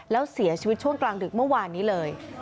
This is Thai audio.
แล้วเสียชีวิตช่วงกลางดึกเมื่อวานนี้เลย